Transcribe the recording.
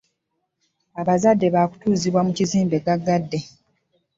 Abazadde baakutuuzibwa mu kizimbe gaggadde!